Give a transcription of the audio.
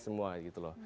semua gitu loh